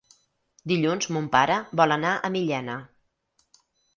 Dilluns mon pare vol anar a Millena.